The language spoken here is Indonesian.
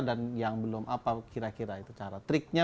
dan yang belum apa kira kira itu cara triknya